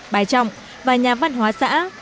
bái trọng và nhà văn hóa xã